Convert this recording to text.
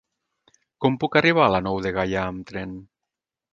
Com puc arribar a la Nou de Gaià amb tren?